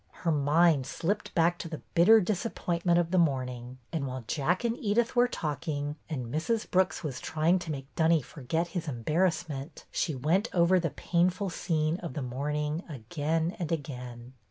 Her mind slipped back to the bitter disappointment of the morning, and while Jack and Edyth were talking, and Mrs. Brooks was trying to make Dunny forget his embarrass ment, she went over the painful scene of the morning again and again.